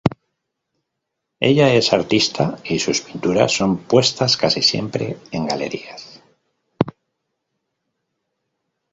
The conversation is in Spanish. Ella es artista y sus pinturas son puestas casi siempre en galerías.